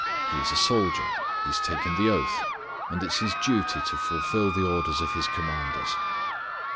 He is a soldier, he has taken the oath, and it is his duty to fulfil the orders of his commanders.